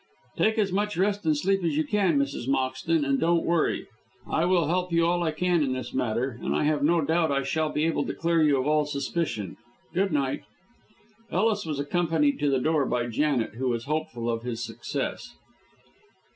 "Take as much rest and sleep as you can, Mrs. Moxton, and don't worry. I will help you all I can in this matter, and I have no doubt I shall be able to clear you of all suspicion. Good night." Ellis was accompanied to the door by Janet, who was hopeful of his success.